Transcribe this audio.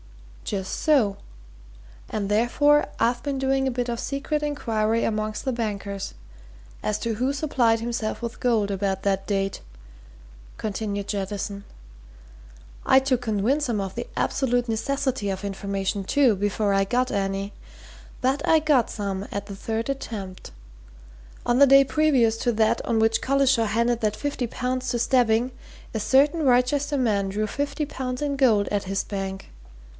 "Just so and therefore I've been doing a bit of secret inquiry amongst the bankers, as to who supplied himself with gold about that date," continued Jettison. "I'd to convince 'em of the absolute necessity of information, too, before I got any! But I got some at the third attempt. On the day previous to that on which Collishaw handed that fifty pounds to Stebbing, a certain Wrychester man drew fifty pounds in gold at his bank.